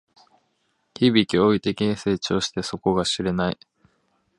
日々、驚異的に成長して底が知れない